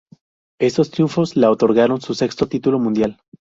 Estos triunfos la otorgaron su sexto título mundial.